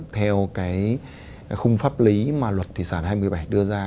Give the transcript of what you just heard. theo cái khung pháp lý mà luật thị sản hai mươi bảy đưa ra